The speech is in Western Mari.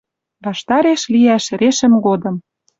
Ваштареш лиӓш, решӹм годым